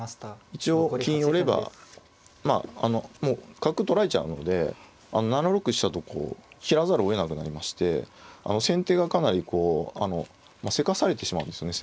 一応金寄ればまああのもう角取られちゃうので７六飛車とこう切らざるをえなくなりまして先手がかなりこうせかされてしまうんですよね